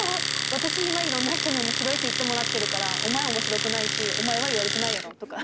「私今いろんな人に面白いって言ってもらってるからお前は面白くないしお前は言われてないやろ？」とか。